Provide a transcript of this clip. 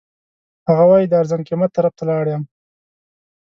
هغه وایي د ارزان قیمت طرف ته لاړ یم.